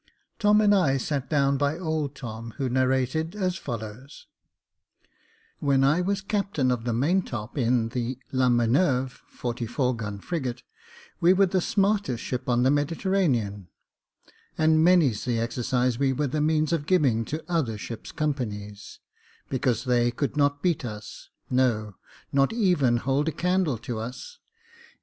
Tom and I sat down by old Tom, who narrated as follows :—" When I was captain of the maintop in the La Minerve, forty four gun frigate, we were the smartest ship up the Mediterranean ; and many's the exercise we were the means of giving to other ships' companies, because they could not beat us — no, not even hold a candle to us.